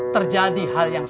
terjadi hal yang